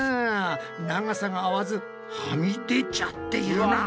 長さが合わずはみ出ちゃっているな。